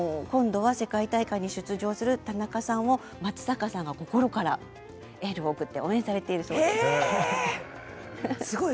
今度は世界大会に出場する田中さんを松坂さんが心からエールを送って応援されているそうです。